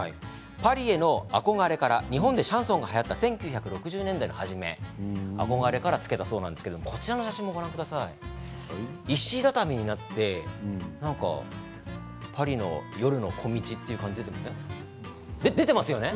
パリへの憧れから日本でシャンソンがはやった１９６０年代の初め憧れから付けたそうなんですけれども石畳になってパリの夜の小道という感じじゃないですけど出ていますよね。